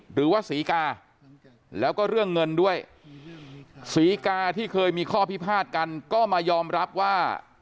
หรือว่าศรีกาแล้วก็เรื่องเงินด้วยศรีกาที่เคยมีข้อพิพาทกันก็มายอมรับว่า